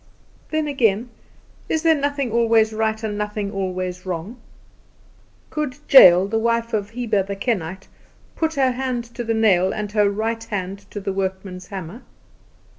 Then again: Is there nothing always right, and nothing always wrong? Could Jael the wife of Heber the Kenite "put her hand to the nail, and her right hand to the workman's hammer?"